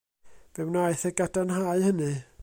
Fe wnaeth e gadarnhau hynny.